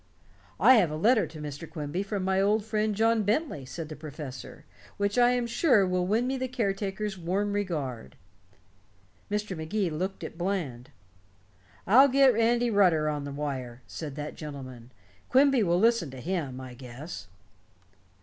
"I have a letter to Mr. Quimby from my old friend, John Bentley," said the professor, "which I am sure will win me the caretaker's warm regard." Mr. Magee looked at Bland. "I'll get Andy Rutter on the wire," said that gentleman. "Quimby will listen to him, I guess."